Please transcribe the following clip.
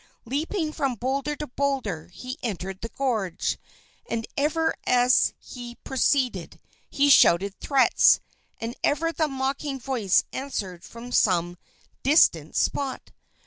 Leaping from boulder to boulder, he entered the gorge. And ever as he proceeded, he shouted threats; and ever the mocking voice answered from some distant spot.